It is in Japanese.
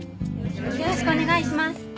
よろしくお願いします。